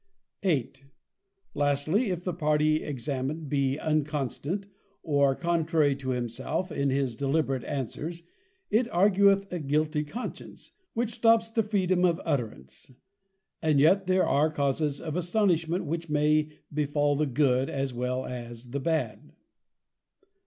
_ VIII. _Lastly, If the party examined be Unconstant, or contrary to himself, in his deliberate Answers, it argueth a Guilty Conscience, which stops the freedom of Utterance. And yet there are causes of Astonishment, which may befal the Good, as well as the Bad.